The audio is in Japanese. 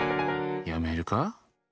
やめるか？